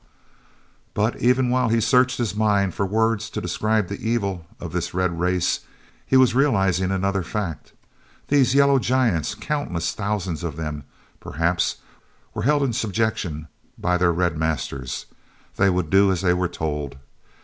But, even while he searched his mind for words to describe the evil of this red race, he was realizing another fact. These yellow giants, countless thousands of them, perhaps, were held in subjection by their red masters. They would do as they were told.